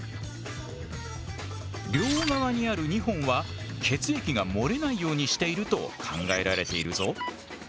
両側にある２本は血液が漏れないようにしていると考えられているぞ。